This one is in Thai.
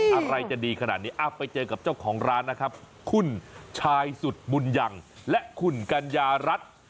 อะไรจะดีขนาดนี้ไปเจอกับเจ้าของร้านนะครับคุณชายสุดบุญยังและคุณกัญญารัฐ